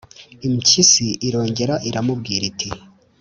Impyisi irongera iramubwira iti: "